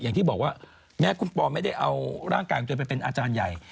อย่างที่บอกว่าแม้คุณปอไม่ได้เอาร่างกายของตัวเองไปเป็นอาจารย์ใหญ่